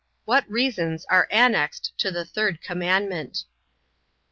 What reasons are annexed to the third commandment?